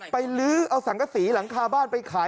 ลื้อเอาสังกษีหลังคาบ้านไปขาย